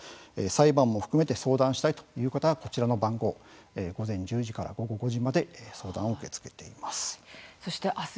裁判も含めて相談したいという方は、こちらの番号午前１０時から午後５時まで相談を受け付けています。